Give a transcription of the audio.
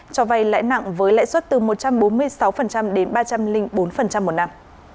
cho vay lãi nặng với lãi suất từ một trăm bốn mươi sáu đến ba trăm linh bốn một năm